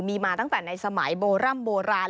มีมาตั้งแต่ในสมัยโบร่ำโบราณ